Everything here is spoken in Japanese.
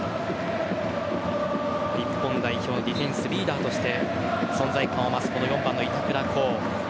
日本代表のディフェンスリーダーとして存在感を増す４番の板倉滉。